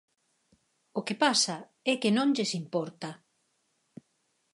O que pasa é que non lles importa.